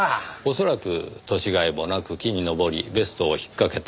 恐らく年甲斐もなく木に登りベストを引っかけた。